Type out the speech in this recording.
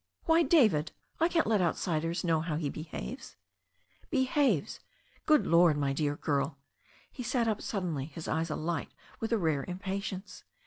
"Why, David! I can't let outsiders know how he be haves " "Behaves I Good Lord, my dear girl!" He sat up sud denly, his eyes alight with a rare impatience.